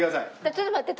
ちょっと待って。